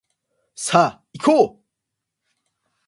さあいこう